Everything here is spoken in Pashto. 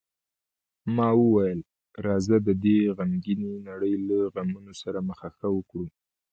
ما وویل: راځه، د دې غمګینې نړۍ له غمو سره مخه ښه وکړو.